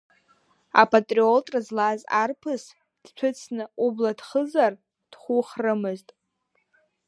Апатриотра злаз арԥыс, дҭәыцны убла дхызар дхухрымызт.